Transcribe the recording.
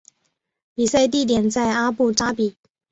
比赛地点在阿布扎比。